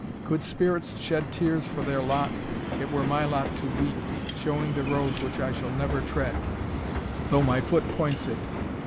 Could spirits shed Tears for their lot, it were my lot to weep, Showing the road which I shall never tread, Though my foot points it.